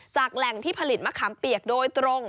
แหล่งที่ผลิตมะขามเปียกโดยตรง